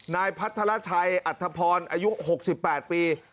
นายพัทรชัยอัธพรอายุ๖๘ปี